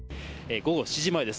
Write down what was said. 午後７時前です。